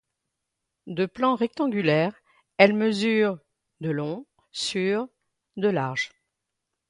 De plan rectangulaire, elle mesure de long sur de large.